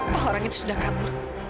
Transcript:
toh orang itu sudah kabur